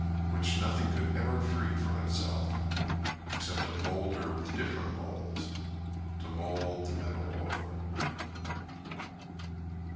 Which nothing could ever free from itself Except a Moulder with different moulds To mould the metal over.